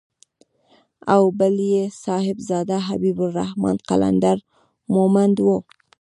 او بل يې صاحبزاده حبيب الرحمن قلندر مومند و.